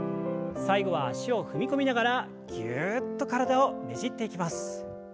最後は脚を踏み込みながらギュっと体をねじっていきます。